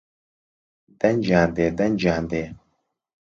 دەنگیان دێ دەنگیان دێ